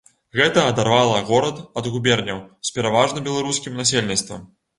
Гэта адарвала горад ад губерняў з пераважна беларускім насельніцтвам.